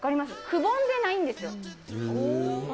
くぼんでないんですよ。